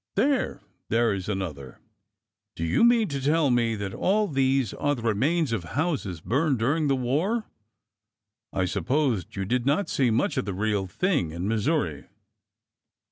There— there is another ! Do you mean to tell me that all these are the remains of houses burned during the war? I supposed you did not see much of the real thing in Missouri."